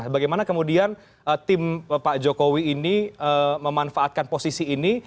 bagaimana kemudian tim pak jokowi ini memanfaatkan posisi ini